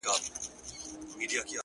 اې ه څنګه دي کتاب له مخه ليري کړم’